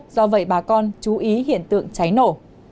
do vậy bà con chú ý hiện tượng cháy nổ